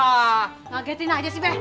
anggetin aja sih be